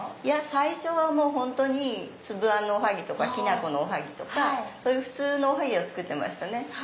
最初は本当につぶあんのおはぎきな粉のおはぎとかそういう普通のおはぎを作ってましたね。